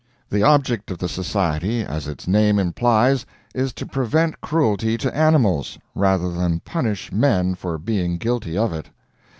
The object of the Society, as its name implies, is to prevent cruelty to animals, rather than punish men for being guilty of it.